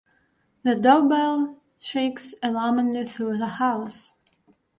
The door-bell shrieks alarmingly through the house.